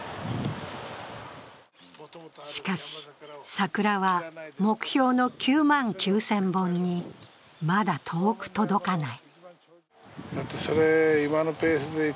しかし、桜は目標の９万９０００本にまだ遠く届かない。